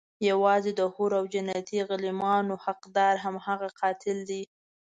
يوازې د حورو او جنتي غلمانو حقدار هماغه قاتل دی.